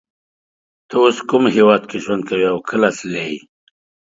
ته اوس کوم هیواد کی ژوند کوی او کله تللی یی